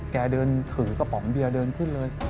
เดินถือกระป๋องเบียร์เดินขึ้นเลย